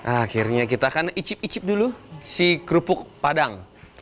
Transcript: akhirnya kita akan icip icip dulu si kerupuk padang